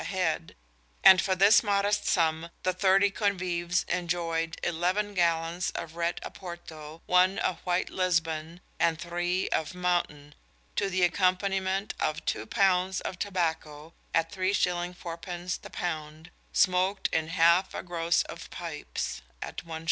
a head, and for this modest sum the thirty convives enjoyed eleven gallons of "Red Oporto," one of "White Lisbon," and three of "Mountain," to the accompaniment of two pounds of tobacco (at 3s. 4d. the pound) smoked in "half a groce of pipes" (at 1s.).